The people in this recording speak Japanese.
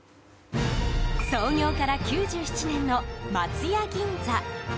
創業から９７年の松屋銀座。